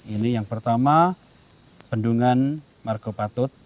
ini yang pertama pendungan margo patut